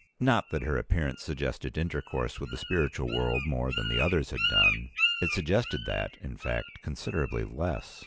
Not that her appearance suggested intercourse with the spiritual world more than the others had done; it suggested that, in fact, considerably less.